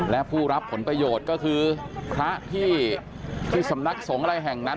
และผู้รับผลประโยชน์ก็คือพระที่สำนักสงฆ์อะไรแห่งนั้น